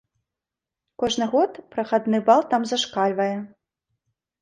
Кожны год прахадны бал там зашкальвае.